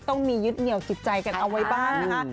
ต้องยึดเหนียวกิจใจฟ่าค่ะ